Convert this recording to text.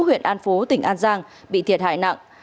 huyện an phố tỉnh an giang bị thiệt hại nặng